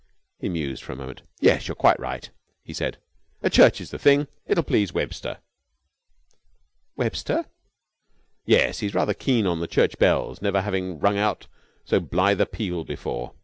He mused for a moment. "Yes, you're quite right," he said. "A church is the thing. It'll please Webster." "Webster?" "Yes, he's rather keen on the church bells never having rung out so blithe a peal before.